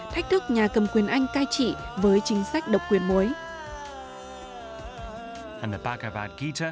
thách thức nhà cầm quyền anh cai trị với chính sách độc quyền mới